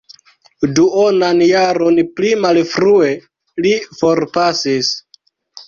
Duonan jaron pli malfrue li forpasis.